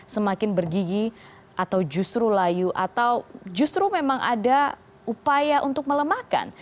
semakin bergigi atau justru layu atau justru memang ada upaya untuk melemahkan